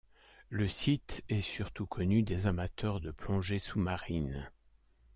Le site est surtout connu des amateurs de plongée sous-marine.